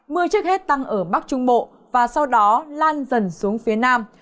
mưa trước hết tăng ở bắc trung bộ và sau đó lan dần xuống phía nam